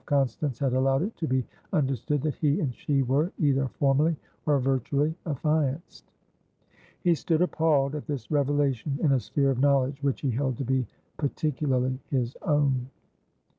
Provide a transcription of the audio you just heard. Constance had allowed it to be understood that he and she were, either formally, or virtually, affianced. He stood appalled at this revelation in a sphere of knowledge which he held to be particularly his own.